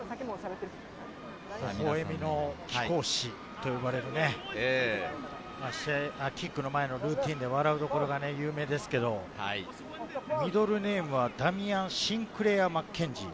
ほほ笑みの貴公子と呼ばれるキックの前のルーティンで笑うところが有名ですけれど、ミドルネームはダミアン・シンクレア・マッケンジー。